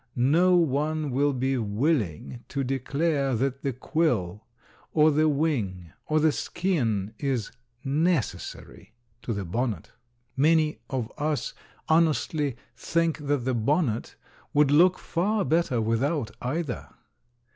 No one will be willing to declare that the quill, or the wing, or the skin is necessary to the bonnet. Many of us honestly think that the bonnet would look far better without either.